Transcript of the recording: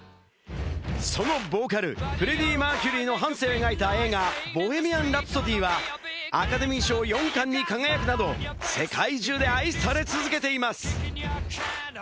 そのボーカル、フレディ・マーキュリーの半生を描いた映画『ボヘミアン・ラプソディ』はアカデミー賞４冠に輝くなど、世界中で愛され続けています。